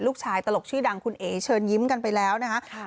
ตลกชื่อดังคุณเอ๋เชิญยิ้มกันไปแล้วนะคะ